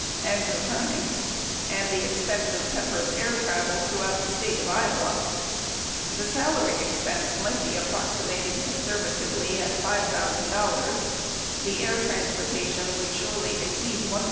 and returning, and the expense of Pepper's air travel throughout the State of Iowa. The salary expense might be approximated conservatively at $5,000. The air transportation would surely exceed $1,000.